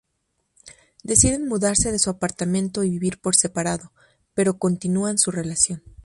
Deciden mudarse de su apartamento y vivir por separado, pero continúan su relación.